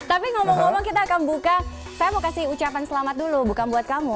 tapi ngomong ngomong kita akan buka saya mau kasih ucapan selamat dulu bukan buat kamu